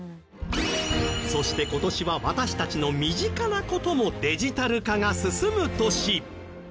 そして今年は私たちの身近な事もデジタル化が進む年。